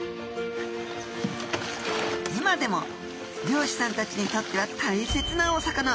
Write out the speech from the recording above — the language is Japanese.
今でも漁師さんたちにとっては大切なお魚。